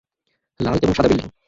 লাল এবং সাদা বিল্ডিং।